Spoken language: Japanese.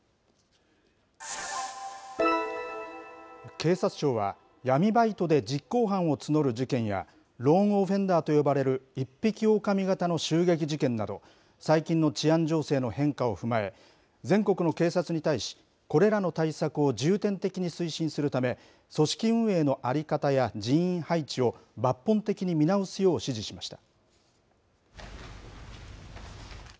警察庁は、闇バイトで実行犯を募る事件や、ローン・オフェンダーと呼ばれる一匹狼型の襲撃事件など、最近の治安情勢の変化を踏まえ、全国の警察に対し、これらの対策を重点的に推進するため、組織運営の在り方や、人員配置を抜本的に見直すよう指示しました。